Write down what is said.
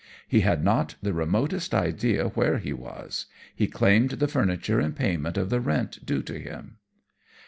He had not the remotest idea where he was. He claimed the furniture in payment of the rent due to him."